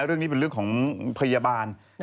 เรื่องนี้เป็นเรื่องของพยาบาล